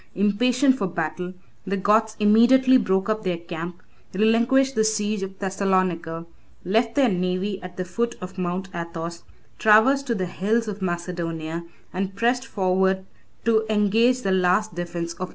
Impatient for battle, the Goths immediately broke up their camp, relinquished the siege of Thessalonica, left their navy at the foot of Mount Athos, traversed the hills of Macedonia, and pressed forwards to engage the last defence of Italy.